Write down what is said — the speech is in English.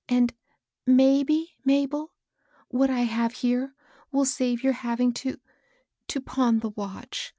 Andy mayhe^ Mabel, what I have here will save your having to — to pawn the watch.